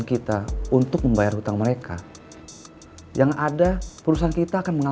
kan kemarin gue juga udah ngomong